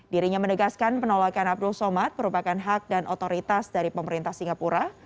dirinya menegaskan penolakan abdul somad merupakan hak dan otoritas dari pemerintah singapura